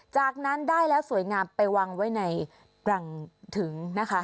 จากนั้นได้แล้วสวยงามไปวางไว้ในกล่องถึงนะคะ